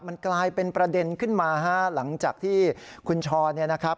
มันกลายเป็นประเด็นขึ้นมาฮะหลังจากที่คุณช้อนเนี่ยนะครับ